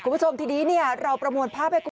คุณผู้ชมทีนี้เราประมวลภาพให้คุณผู้ชม